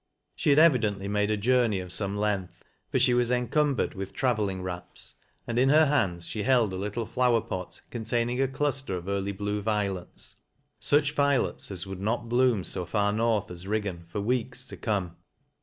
She had evidently made a journey of some length, for she was encumbered with travelling wraps, and in her hands she held a little flower pot containing a cluster of early blue violets, — such violets as would not bloom so far north as Riggan, for weeks to come.